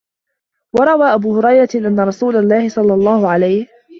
وَرَوَى أَبُو هُرَيْرَةَ أَنَّ رَسُولَ اللَّهِ صَلَّى اللَّهُ عَلَيْهِ